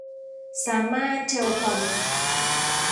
สามารถเทลคอม